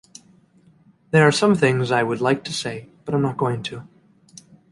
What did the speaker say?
There are some things I would like to say but I'm not going to.